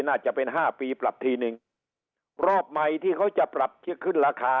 น่าจะเป็นห้าปีปรับทีนึงรอบใหม่ที่เขาจะปรับที่ขึ้นราคา